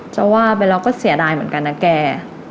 จะว่าไปเราก็เสียดายเหมือนกันนะแก